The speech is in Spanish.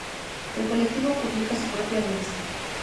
El colectivo publica su propia revista.